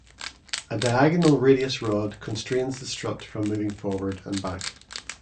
A diagonal "radius rod" constrains the strut from moving forward and back.